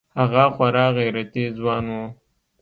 هغه خورا غيرتي ځوان و.